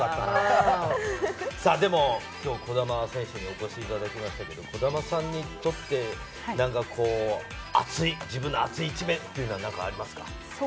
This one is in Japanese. きょう児玉選手、お越しいただきましたけれども、児玉さんにとって自分のアツい一面というのは何かありますか？